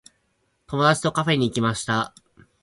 友達とカフェに行きました。